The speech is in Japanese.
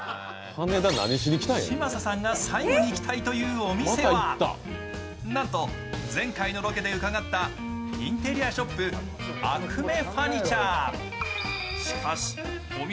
嶋佐さんが最後に行きたいというお店は、なんと前回のロケで伺ったインテリアショップ、アクメファニチャー。